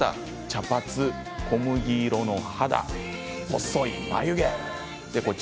茶髪、小麦色の肌、細い眉毛。